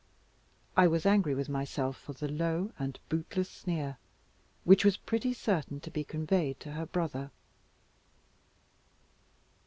I was angry with myself for the low and bootless sneer, which was pretty certain to be conveyed to her brother.